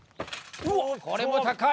これも高い！